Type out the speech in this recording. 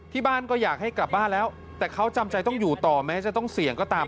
ที่บ้านก็อยากให้กลับบ้านแล้วแต่เขาจำใจต้องอยู่ต่อแม้จะต้องเสี่ยงก็ตาม